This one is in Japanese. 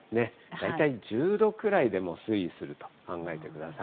大体１０度くらいでもう推移すると考えてください。